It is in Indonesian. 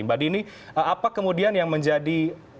mbak dini apa kemudian yang menjadi